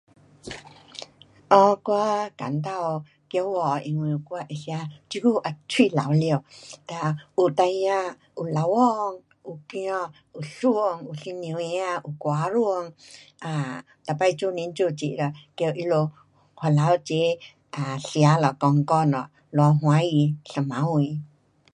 噢，我感到骄傲的因为我会吃，这久也许老了。哒，有孩儿，有老公，有儿，有孙，有女儿子，有外孙，um 每次做年做节了叫他们回来齐 um 吃了讲讲了，多欢喜一晚上。